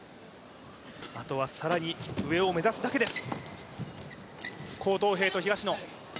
あとは更に上を目指すだけです。